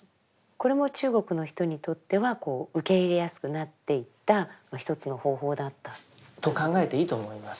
これも中国の人にとってはこう受け入れやすくなっていった一つの方法だったということ。と考えていいと思います。